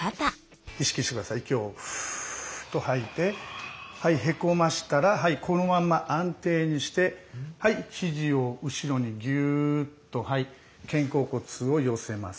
息をふっと吐いてはいへこましたらこのまんま安定にして肘を後ろにギューッと肩甲骨を寄せます。